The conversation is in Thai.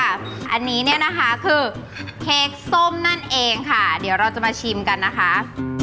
อันนี้เนี่ยนะคะคือเค้กส้มนั่นเองค่ะเดี๋ยวเราจะมาชิมกันนะคะ